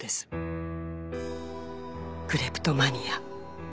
「クレプトマニア」